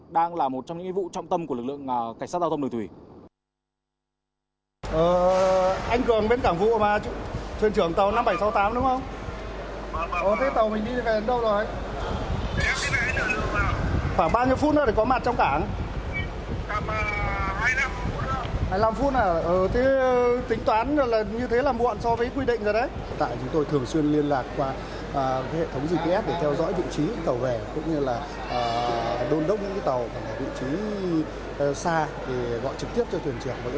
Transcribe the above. đang là một trong những vụ trọng tâm của lực lượng cảnh sát đà tông đường thủy